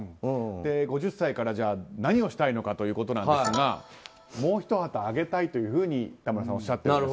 ５０歳から、何をしたいのかということですがもうひと旗揚げたいというふうにおっしゃっています。